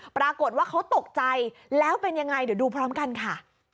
ปรากฏว่าเขาตกใจแล้วเป็นยังไงเดี๋ยวดูพร้อมกันค่ะ